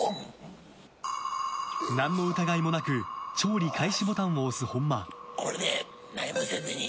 何の疑いもなく調理開始ボタンを押す本間。